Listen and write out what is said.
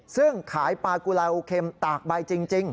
ซึ่งขายปลากุลาโอเค็มตากใบจริง